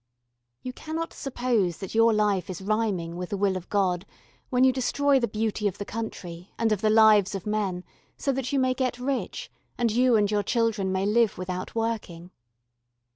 You cannot suppose that your life is rhyming with the will of God when you destroy the beauty of the country and of the lives of men so that you may get rich and you and your children may live without working.